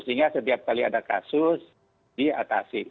sehingga setiap kali ada kasus diatasi